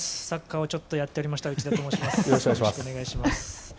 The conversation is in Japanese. サッカーをちょっとやっておりました内田と申します。